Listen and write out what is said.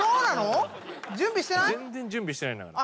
全然準備してないんだから。